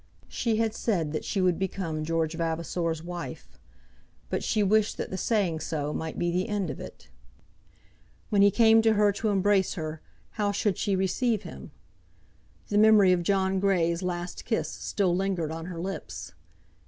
She had said that she would become George Vavasor's wife, but she wished that the saying so might be the end of it. When he came to her to embrace her how should she receive him? The memory of John Grey's last kiss still lingered on her lips.